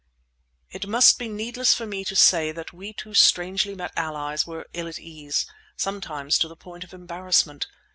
It must be needless for me to say that we two strangely met allies were ill at ease, sometimes to the point of embarrassment.